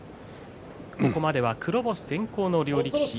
ここまでは黒星先行の両力士。